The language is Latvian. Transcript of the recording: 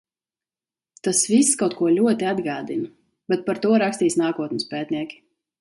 Tas viss kaut ko ļoti atgādina. Bet par to rakstīs nākotnes pētnieki.